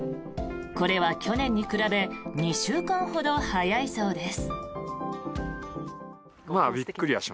これは去年に比べ２週間ほど早いそうです。